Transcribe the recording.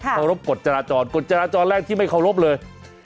เคารพกฎจราจรกฎจราจรแรกที่ไม่เคารพเลย